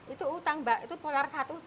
itu utang mbak itu putar satu